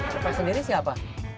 bapak sendiri siapa